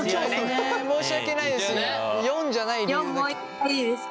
申し訳ないです。